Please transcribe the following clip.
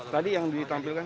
tadi yang ditampilkan